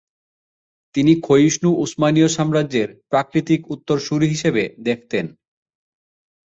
তিনি ক্ষয়িষ্ণু উসমানীয় সাম্রাজ্যের প্রাকৃতিক উত্তরসুরি হিসেবে দেখতেন।